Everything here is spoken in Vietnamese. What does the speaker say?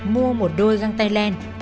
mua một đôi găng tay len